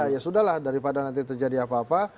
ya sudah lah daripada nanti terjadi apa apa